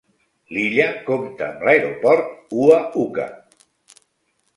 L'illa compta amb l'aeroport Ua Huka.